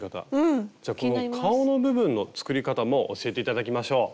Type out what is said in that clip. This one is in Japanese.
じゃあこの顔の部分の作り方も教えて頂きましょう。